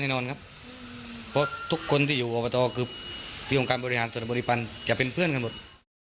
แน่นอนครับเพราะทุกคนที่อยู่อบตคือที่องค์การบริหารส่วนบริพันธ์จะเป็นเพื่อนกันหมด